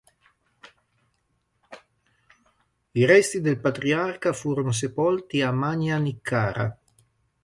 I resti del patriarca furono sepolti a Manjanikkara.